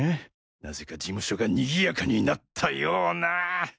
なぜか事務所がにぎやかになったような？